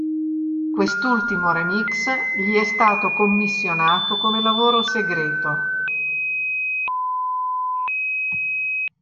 Quest'ultimo remix gli è stato commissionato come lavoro segreto.